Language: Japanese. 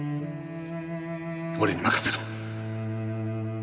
俺に任せろ。